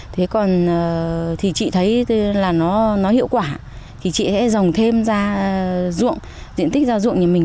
thế còn thì chị thấy là nó hiệu quả thì chị sẽ dòng thêm ra ruộng diện tích ra ruộng nhà mình